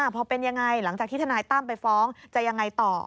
พอเป็นยังไงหลังจากที่ทนายตั้มไปฟ้องจะยังไงต่อ